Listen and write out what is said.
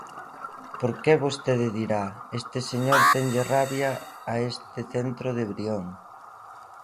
Porque vostede dirá: este señor tenlle rabia a este centro de Brión.